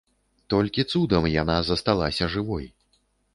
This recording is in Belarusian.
Толькі цудам яна засталася жывой.